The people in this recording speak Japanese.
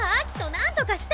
なんとかして！